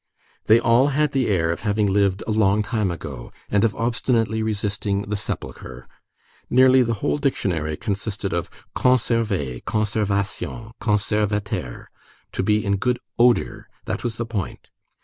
They all had the air of having lived a long time ago, and of obstinately resisting the sepulchre. Nearly the whole dictionary consisted of Conserver, Conservation, Conservateur; to be in good odor,—that was the point.